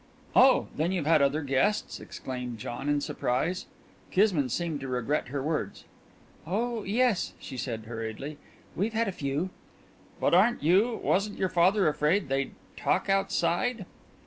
"Oh, then you've had other guests?" exclaimed John in surprise. Kismine seemed to regret her words. "Oh, yes," she said hurriedly, "we've had a few." "But aren't you wasn't your father afraid they'd talk outside?"